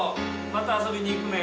また遊びに行くね。